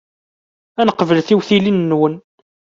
Ad neqbel tiwtilin-nwen.